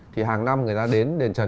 thì hàng năm người ta đến đền trần